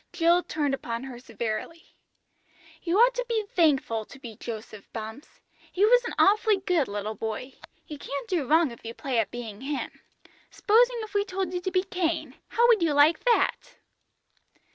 Jill turned upon her severely. "You ought to be thankful to be Joseph, Bumps. He was an awfully good little boy, you can't do wrong if you play at being him. S'posing if we told you to be Cain, how would you like that?"